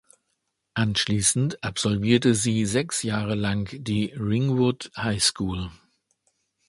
Anschließend absolvierte sie sechs Jahre lang die Ringwood High School.